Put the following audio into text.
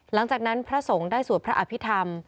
หลังจากนั้นพระสงฆ์ได้สวดพระอภิษฐรรม